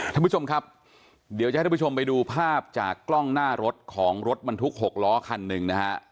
ท่านผู้ชมครับเดี๋ยวจะให้ทุกผู้ชมไปดูภาพจากกล้องหน้ารถของรถบรรทุก๖ล้อคันหนึ่งนะฮะ